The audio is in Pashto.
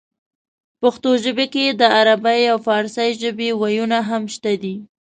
پښتو ژبې کې د عربۍ او پارسۍ ژبې وييونه هم شته دي